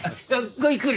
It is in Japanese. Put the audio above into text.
ごゆっくり。